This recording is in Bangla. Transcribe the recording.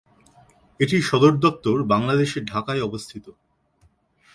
এটির সদরদপ্তর বাংলাদেশের ঢাকায় অবস্থিত।